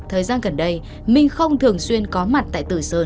thời gian gần đây minh không thường xuyên có mặt tại tử sơn